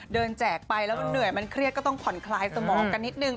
เดินแจกไปแล้วเหนื่อยแบบมันเครียดก็ต้องขอนคลายสมอกนิดนึง